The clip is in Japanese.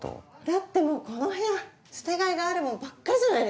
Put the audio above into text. だってもうこの部屋捨てがいがあるもんばっかりじゃないですか。